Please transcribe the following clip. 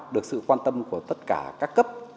được sự quan tâm của tất cả các cấp